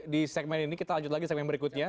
di segmen ini kita lanjut lagi segmen berikutnya